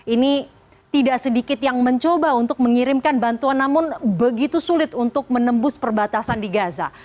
ini tidak sedikit yang mencoba untuk mengirimkan bantuan namun begitu sulit untuk menembus perbatasan di gaza